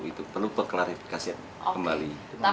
itu perlu kelarifikasi kembali